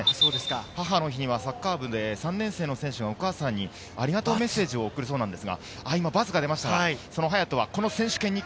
母の日にはサッカー部で３年生の選手がお母さんに、ありがとうメッセージを送るそうです。